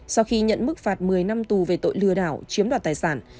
sau khi nhận mức phạt một mươi năm tù về tội lừa đảo chiếm đoạt tài sản